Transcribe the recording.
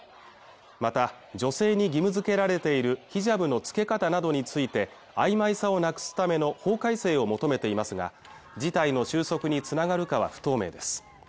また女性に義務づけられているヒジャブの着け方などについてあいまいさをなくすための法改正を求めていますが事態の収束につながるかは不透明です